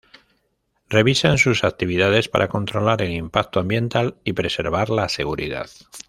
Revisan sus actividades para controlar el impacto ambiental y preservar la seguridad.